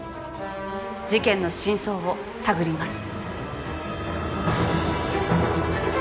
事件の真相を探ります。